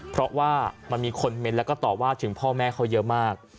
เพราะว่ามันมีคนเม้นแล้วก็ต่อว่าถึงพ่อแม่เขาเยอะมาก